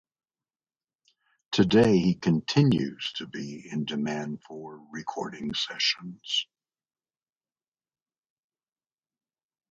Today, he continues to be in demand for recording sessions.